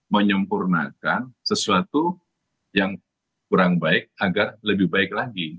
menyempurnakan sesuatu yang kurang baik agar lebih baik lagi